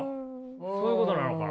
そういうことなのかな？